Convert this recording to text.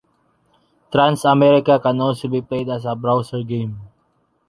Trans America can also be played as a browser game.